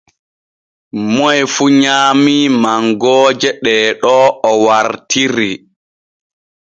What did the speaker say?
Moy fu nyaamii mangooje ɗee ɗo o wartiri.